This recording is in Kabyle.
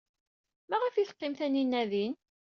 Maɣef ay teqqim Taninna din?